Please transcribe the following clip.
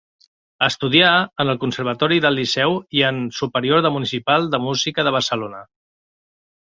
Estudià en el Conservatori del Liceu i en Superior de Municipal de Música de Barcelona.